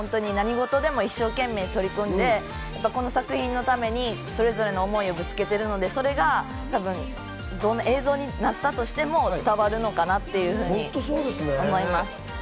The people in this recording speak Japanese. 彼女たち、彼らは何事でも一生懸命取り組んで、この作品のためにそれぞれの思いをぶつけているのでそれが映像になったとしても伝わるのかなと思います。